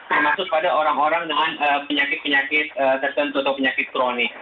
termasuk pada orang orang dengan penyakit penyakit tertentu atau penyakit kronik